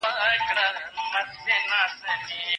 په بې ځايه خبرو وخت مه ضايع کوه.